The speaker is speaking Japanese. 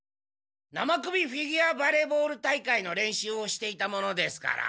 生首フィギュアバレーボール大会の練習をしていたものですから。